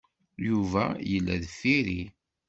Yuba yella deffir-i.